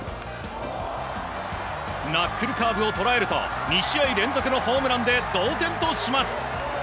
ナックルカーブを捉えると２試合連続のホームランで同点とします。